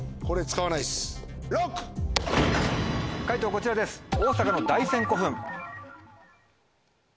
こちらです。